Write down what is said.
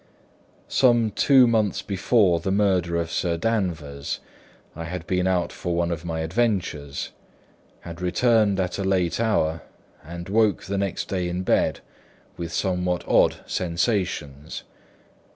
Some two months before the murder of Sir Danvers, I had been out for one of my adventures, had returned at a late hour, and woke the next day in bed with somewhat odd sensations.